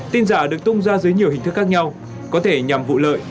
tin giả được tung ra dưới nhiều hình thức khác nhau có thể nhằm vụ lợi